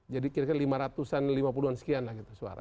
jadi kira kira lima ratusan lima puluhan sekian lah gitu suara